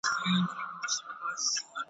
ستا خو په خزان پسي بهار دی بیا به نه وینو.